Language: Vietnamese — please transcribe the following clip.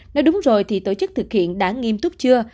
nói đúng rồi thì tổ chức thực hiện đã nghiêm túc chưa